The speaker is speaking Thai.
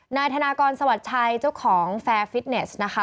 นายธนากรสวัสดิ์ชัยเจ้าของแฟร์ฟิตเนสนะคะ